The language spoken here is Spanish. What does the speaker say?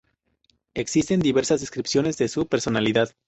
Existen diversas descripciones de su personalidad.